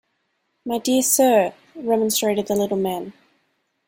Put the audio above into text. ‘My dear Sir,’ remonstrated the little man.